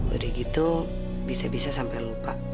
udah gitu bisa bisa sampai lupa